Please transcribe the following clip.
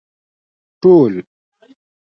ټول